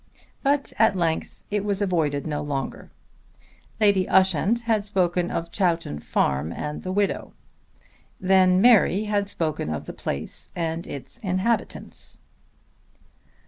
But at length it was avoided no longer. Lady Ushant had spoken of Chowton Farm and the widow. Then Mary had spoken of the place and its inhabitants.